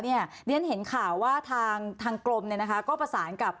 เรียนเห็นข่าวว่าทางกรมก็ประสานกับ